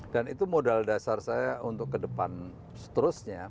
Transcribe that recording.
dan itu modal dasar saya untuk ke depan seterusnya